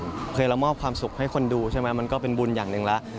เคยเรามอบความสุขให้คนดูใช่ไหมมันก็เป็นบุญอย่างหนึ่งแล้ว